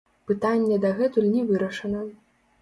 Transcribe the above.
Пытанне дагэтуль не вырашана.